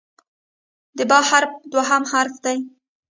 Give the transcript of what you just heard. د "ب" حرف دوهم حرف دی.